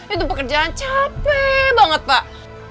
itu pekerjaan capek banget pak